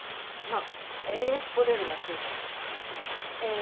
まあボレロが付いてるんですけれども。